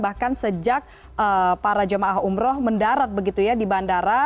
bahkan sejak para jemaah umroh mendarat begitu ya di bandara